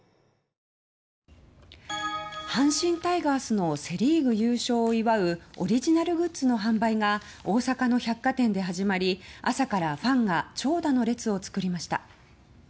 阪神タイガースのセ・リーグ優勝を祝うオリジナルグッズの販売が大阪の百貨店で始まり朝からファンが長蛇の列を作りました。